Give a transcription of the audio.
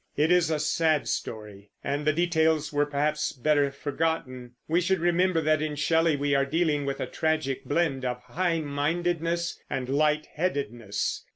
It is a sad story, and the details were perhaps better forgotten. We should remember that in Shelley we are dealing with a tragic blend of high mindedness and light headedness.